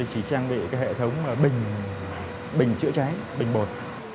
chỉ trang bị cái hệ thống bình chữa cháy bình bột